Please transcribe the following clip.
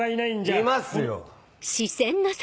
いますよ！